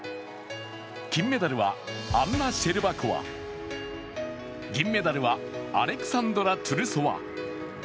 金メダルはアンナ・シェルバコワ銀メダルはアレクサンドラ・トゥルソワ。